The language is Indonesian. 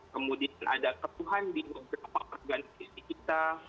kemudian ada ketuhan di beberapa pergantian fisik kita